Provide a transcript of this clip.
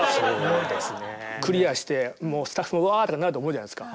クリアしてもうスタッフも「わ！」とかなると思うじゃないですか。